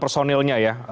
personil dari polri ini ya